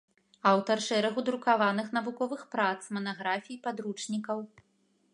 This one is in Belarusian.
Аўтар шэрагу друкаваных навуковых прац, манаграфій, падручнікаў.